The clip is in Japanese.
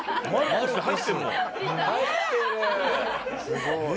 すごい。